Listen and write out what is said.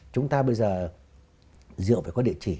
chúng ta bây giờ rượu phải có địa chỉ